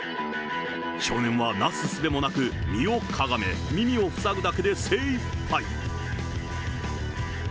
少年はなすすべもなく、身をかがめ、耳を塞ぐだけで精いっぱい。